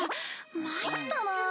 まいったな。